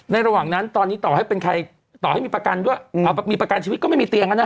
ระหว่างนั้นตอนนี้ต่อให้เป็นใครต่อให้มีประกันด้วยมีประกันชีวิตก็ไม่มีเตียงแล้วนะ